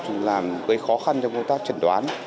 chúng ta gây khó khăn cho người ta trần đoán